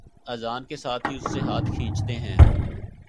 اذان کے ساتھ ہی اس سے ہاتھ کھینچتے ہیں